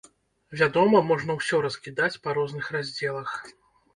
Вядома, можна ўсё раскідаць па розных раздзелах.